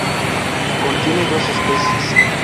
Contiene dos especies